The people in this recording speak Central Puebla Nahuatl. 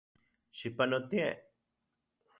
Xipanotie.